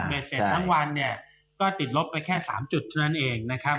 เสร็จทั้งวันเนี่ยก็ติดลบไปแค่๓จุดเท่านั้นเองนะครับ